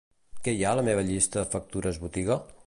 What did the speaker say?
Què hi ha a la meva llista "factures botiga"?